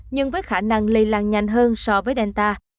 nhưng với khả năng lây lan nhanh hơn so với delta